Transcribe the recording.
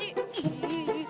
ya ampun monyet